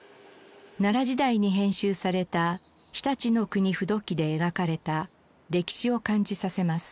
奈良時代に編集された『常陸国風土記』で描かれた歴史を感じさせます。